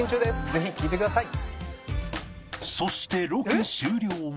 「ぜひ聴いてください！」